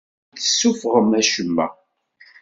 Ur d-tessuffɣem acemma.